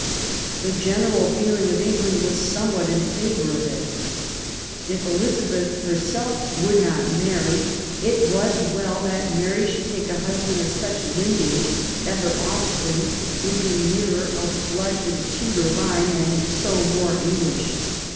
89 The general feeling of England was somewhat in favour of it : if Elizabeth herself would not marry, it was well that Mary should take a husband of such lineage that her offspring would be nearer of blood to the Tudor line and so more English.